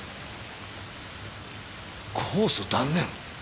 控訴断念？